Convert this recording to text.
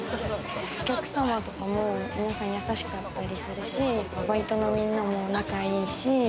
お客様とかも皆さん優しかったりするしバイトのみんなも仲いいし。